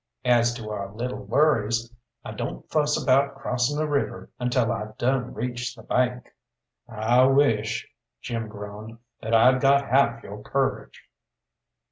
As to our lil' worries, I don't fuss about crossing a river until I done reached the bank." "I wish," Jim groaned, "that I'd got half your courage."